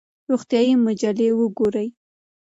روغتیایي مجلې وګورئ.